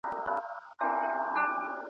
ايا نارینه باید پردیو ښځو ته ونه ګوري؟